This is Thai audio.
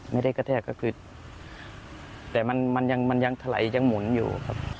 ไม่ได้กระแทกก็คือแต่มันยังมันยังถลายยังหมุนอยู่ครับ